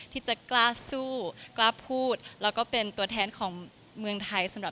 ที่จะกล้าสู้กล้าพูดแล้วก็เป็นตัวแทนของเมืองไทยสำหรับ